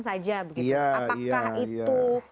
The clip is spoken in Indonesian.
saja apakah itu